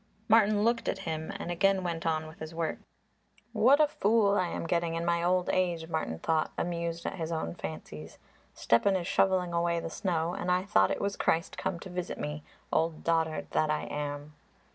Martin looked at him and again went on with his work. "What a fool I am getting in my old age," Martin thought, amused at his own fancies. "Stepan is shovelling away the snow and I thought it was Christ come to visit me. Old dotard that I am!"